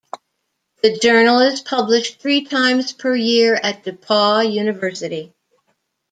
The journal is published three times per year at DePauw University.